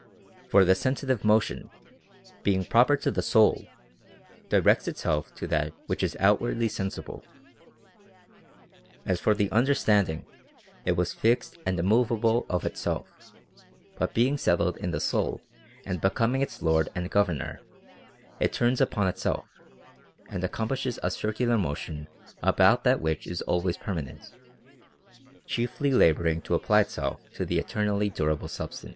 For the sensitive motion, being proper to the soul, directs itself to that which is outwardly sensible. As for the understanding, it was fixed and immovable of itself, but being settled in the soul and becoming its lord and governor, it turns upon itself, and accomplishes a circular motion about that which is always permanent, chiefly la boring to apply itself to the eternally durable substance.